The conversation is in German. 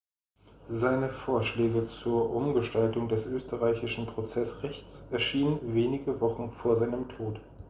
Seine "Vorschläge zur Umgestaltung des österreichischen Prozeßrechtes" erschienen wenige Wochen vor seinem Tod.